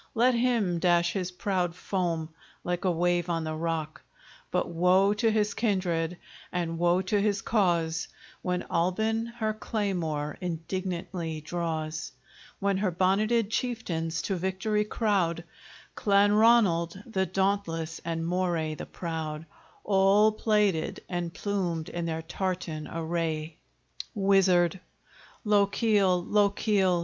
Let him dash his proud foam like a wave on the rock! But woe to his kindred, and woe to his cause, When Albin her claymore indignantly draws; When her bonneted chieftains to victory crowd, Clanronald the dauntless, and Moray the proud, All plaided and plumed in their tartan array WIZARD Lochiel, Lochiel!